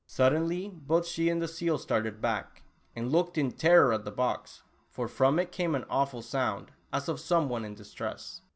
Suddenly both she and the seal started back, and looked in terror at the box, for from it came an awful sound, as of some one in distress